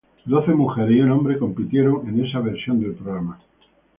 Doce mujeres y un hombre compitieron en esta versión del programa.